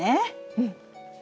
うん。